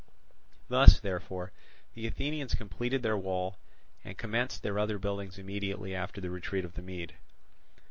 Thus, therefore, the Athenians completed their wall, and commenced their other buildings immediately after the retreat of the Mede.